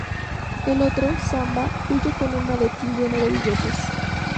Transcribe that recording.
El otro, Samba, huye con un maletín lleno de billetes.